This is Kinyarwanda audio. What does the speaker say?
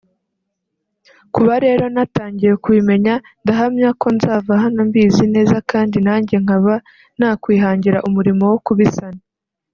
kuba rero natangiye kubimenya ndahamya ko nzava hano mbizi neza kandi nanjye nkaba nakwihangira umurimo wo kubisana